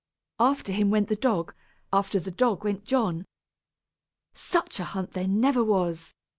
After him went the dog, after the dog went John. Such a hunt there never was!